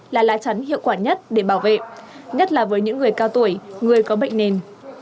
là lá chắn hiệu quả nhất để bảo vệ nhất là với những người cao tuổi người có bệnh nền